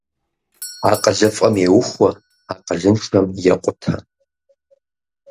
АкъылыфӀэм еухуэ, акъылыншэм екъутэ.